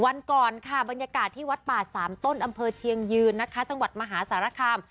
วันก่อนค่ะบรรยากาศที่วัดป่าสามต้นอำเภอเชียงยืนนะคะจังหวัดมหาสารคาม